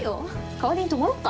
代わりに泊まろっか？